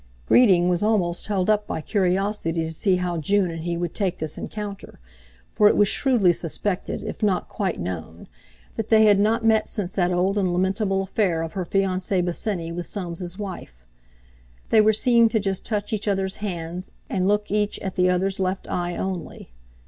Greeting was almost held up by curiosity to see how June and he would take this encounter, for it was shrewdly suspected, if not quite known, that they had not met since that old and lamentable affair of her fiance Bosinney with Soames' wife. They were seen to just touch each other's hands, and look each at the other's left eye only.